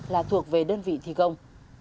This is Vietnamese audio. là thuộc về đơn vị thi công